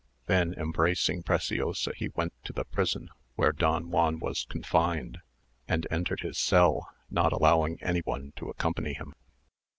Then embracing Preciosa he went to the prison where Don Juan was confined, and entered his cell, not allowing any one to accompany him.